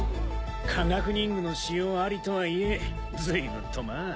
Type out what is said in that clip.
科学忍具の使用ありとはいえずいぶんとまあ。